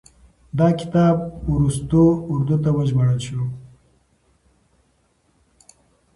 دا کتاب وروستو اردو ته وژباړل شو.